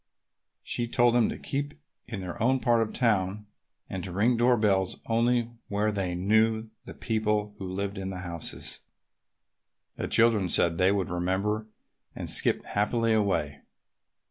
She told them to keep in their own part of town and to ring door bells only where they knew the people who lived in the houses. The children said they would remember and skipped happily away.